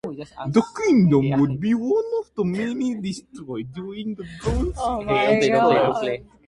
The kingdom would be one of the many destroyed during the Bronze Age Collapse.